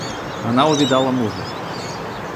Она увидала мужа.